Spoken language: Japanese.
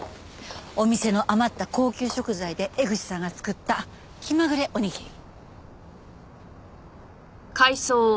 お店の余った高級食材で江口さんが作った気まぐれおにぎり。